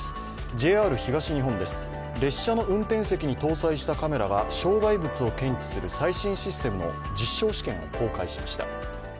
ＪＲ東日本です、列車の運転席に搭載したカメラが障害物を検知する最新システムの実証試験を公開しました。